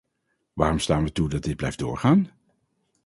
Waarom staan we toe dat dit blijft doorgaan?